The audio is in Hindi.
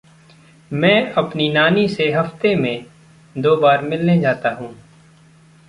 मैं अपनी नानी से हफ़्ते में दो बार मिलने जाता हूँ।